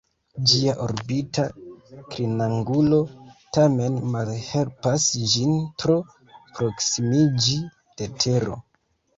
Ĝia orbita klinangulo tamen malhelpas ĝin tro proksimiĝi de Tero.